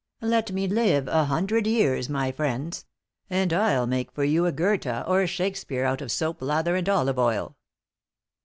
Let me live a hundred years, my friends, and I'll make for you a Goethe or a Shakespeare out of soap lather and olive oil."